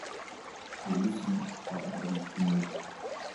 Wir müssen, haben aber nicht den Mut.